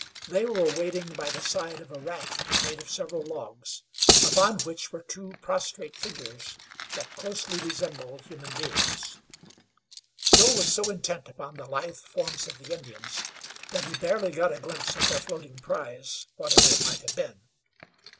They were wading by the side of a raft made of several logs, upon which were two prostrate figures that closely resembled human beings. Joe was so intent upon the lithe forms of the Indians that he barely got a glimpse of their floating prize, whatever it might have been.